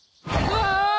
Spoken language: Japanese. うわ！